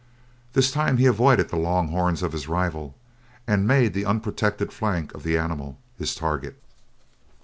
This time he avoided the long horns of his rival and made the unprotected flank of the animal his target.